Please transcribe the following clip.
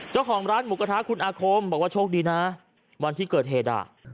เจ้าของร้านหมูกระทะคุณอาคมบอกว่าโชคดีนะวันที่เกิดเหตุอ่ะ